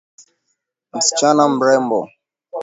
Msichana mrembo.